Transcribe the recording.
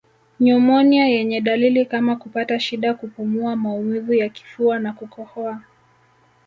Nyumonia yenye dalili kama kupata shida kupumua maumivu ya kifua na kukohoa